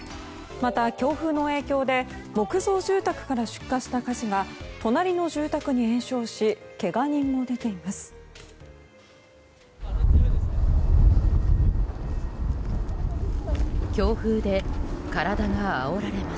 また、強風の影響で木造住宅から出火した火事が隣の住宅に延焼しけが人も出ています。